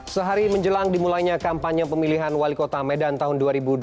sehari menjelang dimulainya kampanye pemilihan wali kota medan tahun dua ribu dua puluh